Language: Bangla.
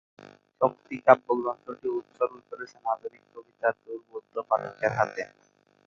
শক্তি কাব্যগ্রন্থটি উৎসর্গ করেছেন 'আধুনিক কবিতার দুর্বোধ্য পাঠকের হাতে'।